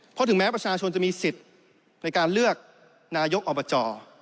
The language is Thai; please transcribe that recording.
เพราะถึงแม้ประชาชนจะมีสิทธิ์ในการเลือกนายกอบจ